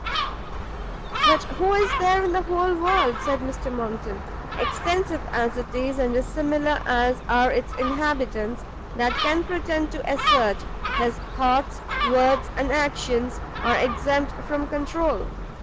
"But who is there in the whole world," said Mr Monckton, "extensive as it is, and dissimilar as are its inhabitants, that can pretend to assert, his thoughts, words, and actions, are exempt from controul?